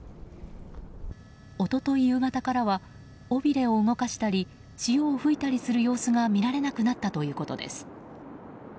一昨日夕方からは尾びれを動かしたり潮を吹いたりする様子が見られなくなったということです。